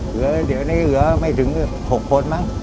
เหลือเดี๋ยวนี้เหลือไม่ถึง๖คนมั้ง